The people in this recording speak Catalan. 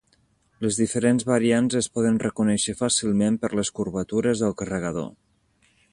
Les diferents variants es poden reconèixer fàcilment per les curvatures del carregador.